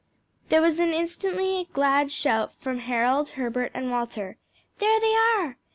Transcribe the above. There was instantly a glad shout from Harold, Herbert and Walter, "There they are!"